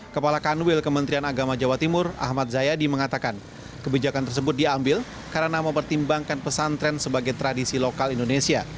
kepala kanwil kementerian agama jawa timur ahmad zayadi mengatakan kebijakan tersebut diambil karena mempertimbangkan pesantren sebagai tradisi lokal indonesia